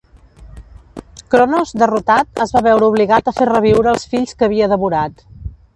Cronos, derrotat, es va veure obligat a fer reviure els fills que havia devorat.